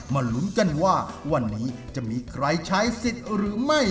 ลุ้นกันว่าวันนี้จะมีใครใช้สิทธิ์หรือไม่